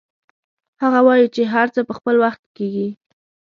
هغه وایي چې هر څه په خپل وخت کیږي